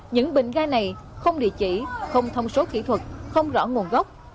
những bình ga này không địa chỉ không thông số kỹ thuật không rõ nguồn gốc